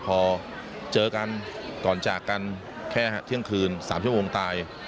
พอเจอกันก่อนจากกันแค่เที่ยงคืน๓ชั่วโมงตาย